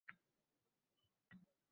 — Mirzaxo‘jaboyni go‘dagi uchun-a?